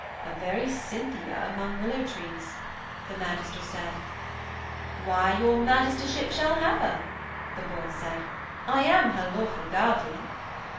'A very Cynthia among willow trees,' the magister said. 'Why, your magistership shall have her,' the boy said. 'I am her lawful guardian.'